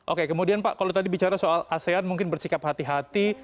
oke kemudian pak kalau tadi bicara soal asean mungkin bersikap hati hati